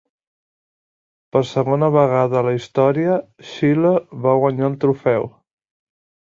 Per segona vegada a la història, Xile va guanyar el trofeu.